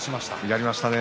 やりましたね。